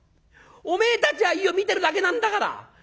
おめえたちはいいよ見てるだけなんだから。